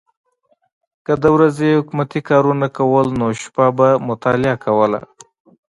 که د ورځې یې حکومتي کارونه کول نو شپه به مطالعه کوله.